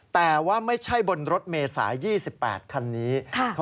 แต่ว่าไม่ใช่บนรถเมษาย๒๘คันนี้